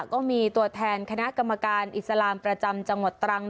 ก็มีตัวแทนคณะกรรมการอิสลามประจำจังหวัดตรัง